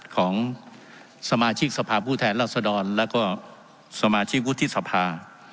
ของสมาชิกสภาพผู้แทนรัศดรแล้วก็สมาชิกวุฒิสภา